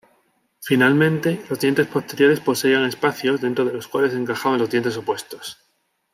Finalmente, los dientes posteriores poseían espacios dentro de los cuales encajaban los dientes opuestos.